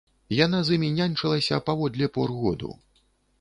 Яна з імі няньчылася паводле пор году.